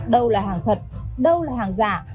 đâu là hàng thật đâu là hàng giả